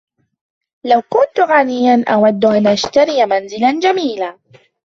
لو كنتُ غنياً, أود أن أشتري منزلاً جميلاً.